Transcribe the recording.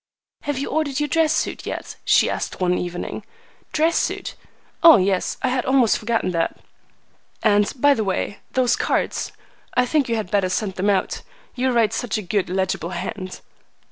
"Have you ordered your dress suit yet?" she asked one evening. "Dress suit? Oh yes. I had almost forgotten that." "And, by the way, those cards? I think you had better send them out: you write such a good, legible hand."